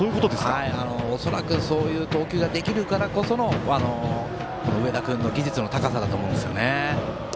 恐らく、そういう投球ができるからこその上田君の技術の高さと思います。